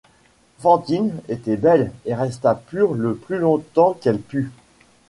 Fantine était belle et resta pure le plus longtemps qu’elle put.